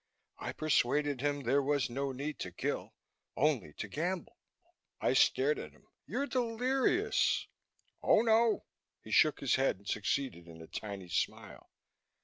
I persuaded him there was no need to kill only to gamble." I stared at him. "You're delirious!" "Oh, no." He shook his head and succeeded in a tiny smile.